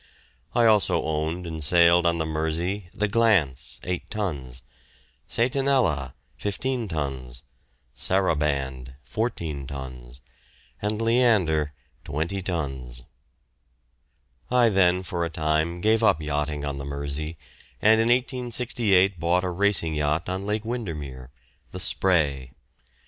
I also owned and sailed on the Mersey the "Glance," eight tons; "Satanella," fifteen tons; "Saraband," fourteen tons; and "Leander," twenty tons. I then for a time gave up yachting on the Mersey, and in 1868 bought a racing boat on Lake Windermere, the "Spray."